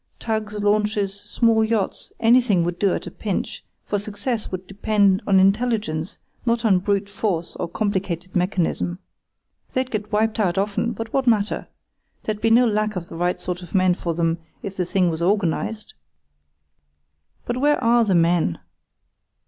Tugs, launches, small yachts—anything would do at a pinch, for success would depend on intelligence, not on brute force or complicated mechanism. They'd get wiped out often, but what matter? There'd be no lack of the right sort of men for them if the thing was organised. But where are the men?